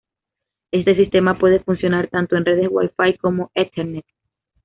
Este sistema puede funcionar tanto en redes Wifi como Ethernet.